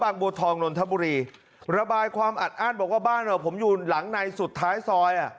บัวทองนนทบุรีระบายความอัดอ้านบอกว่าบ้านผมอยู่หลังในสุดท้ายซอยอ่ะ